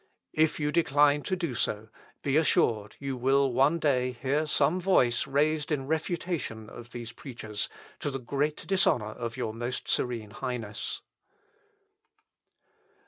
If you decline to do so, be assured you will one day hear some voice raised in refutation of these preachers, to the great dishonour of your most serene Highness."